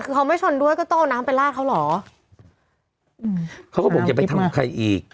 คือเขาไม่ชนด้วยก็ต้องเอาน้ำไปลาดเขาเหรออืมเขาก็บอกอย่าไปทำกับใครอีก